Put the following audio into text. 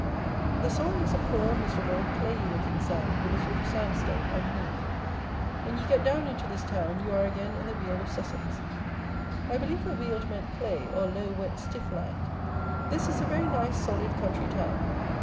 The soil is a poor, miserable, clayey looking sand, with a sort of sandstone underneath. When you get down into this town, you are again in the Weald of Sussex. I believe that Weald meant clay, or low, wet, stiff land. This is a very nice, solid, country town.